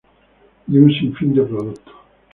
Y un sin fin de productos.